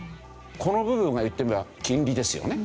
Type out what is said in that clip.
この部分が言ってみれば金利ですよね。